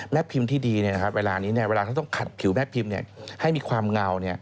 พิมพ์ที่ดีเวลานี้เวลาเขาต้องขัดผิวแม่พิมพ์ให้มีความเงา